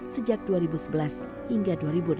sejak dua ribu sebelas hingga dua ribu delapan belas